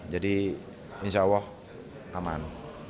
jadi insya allah aman